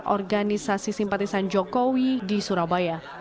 organisasi simpatisan jokowi di surabaya